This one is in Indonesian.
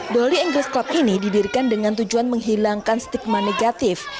doli english club ini didirikan dengan tujuan menghilangkan stigma negatif